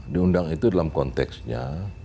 diundang itu dalam konteksnya